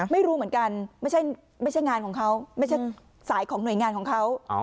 ไม่รู้เหมือนกันไม่ใช่งานของเขาไม่ใช่สายของหน่วยงานของเขา